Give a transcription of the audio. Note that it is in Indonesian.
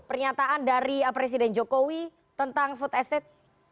pernyataan dari presiden jokowi tentang food estate